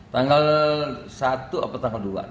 tanggal satu atau tanggal dua